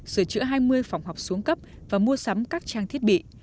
sửa chữa hai mươi phòng học xuống cấp và mua sắm các trang thiết bị